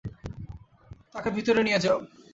তাকে ভিতরে নিয়ে যাও!